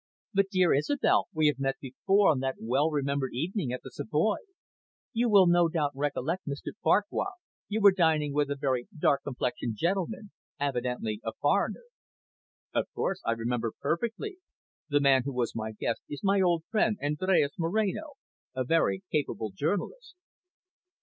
"But, dear Isobel, we have met before, on that well remembered evening at the Savoy. You will no doubt recollect, Mr Farquhar, you were dining with a very dark complexioned gentleman, evidently a foreigner." "Of course, I remember perfectly. The man who was my guest is my old friend Andres Moreno, a very capable journalist."